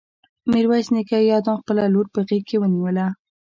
ميرويس نيکه يو دم خپله لور په غېږ کې ونيوله.